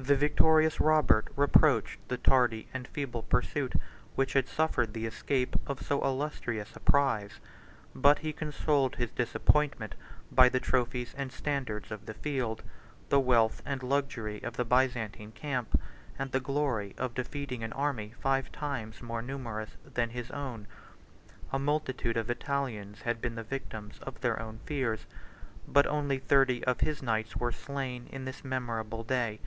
The victorious Robert reproached the tardy and feeble pursuit which had suffered the escape of so illustrious a prize: but he consoled his disappointment by the trophies and standards of the field, the wealth and luxury of the Byzantine camp, and the glory of defeating an army five times more numerous than his own. A multitude of Italians had been the victims of their own fears; but only thirty of his knights were slain in this memorable day.